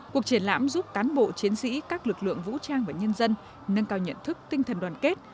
cuộc triển lãm giúp cán bộ chiến sĩ các lực lượng vũ trang và nhân dân nâng cao nhận thức tinh thần đoàn kết